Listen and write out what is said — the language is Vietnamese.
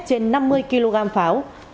trên năm mươi kg pháo